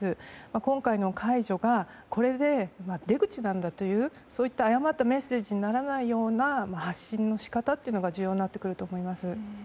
今回の解除がこれで出口なんだというそういった誤ったメッセージにならないような発信の仕方が重要になってくると思います。